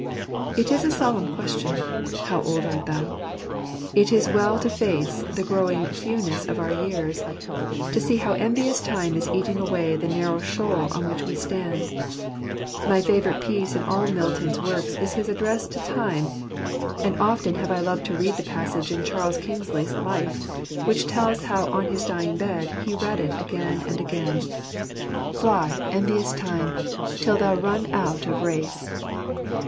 It is a solemn question, How old art thou ? It is well to face the growing fewness of our years ; to see how envious Time is eating away the narrow shoal on which we stand. My favourite piece in all Milton's works is his address to Time; and often have I loved to read the passage in Charles Kingsley's Life, which tells how on his dying bed he read it again and again, — Jacob's ^itatoer. 137 " Fly, envious Time, till thou run out of race."